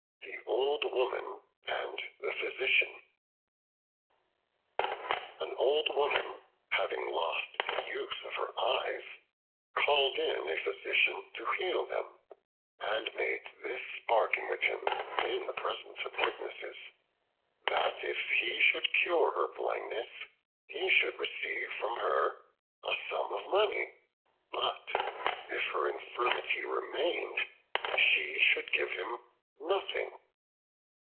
The Old Woman and the Physician AN OLD WOMAN having lost the use of her eyes, called in a Physician to heal them, and made this bargain with him in the presence of witnesses: that if he should cure her blindness, he should receive from her a sum of money; but if her infirmity remained, she should give him nothing.